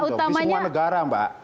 di semua negara mbak